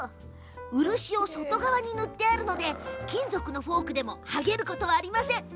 漆を外側に塗ってあるので金属のフォークでも剥げることはありません。